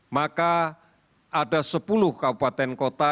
maka ada sepuluh kabupaten kota